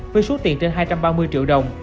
với số tiền trên hai trăm ba mươi triệu đồng